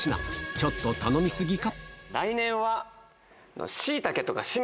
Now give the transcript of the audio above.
ちょっと頼みすぎか？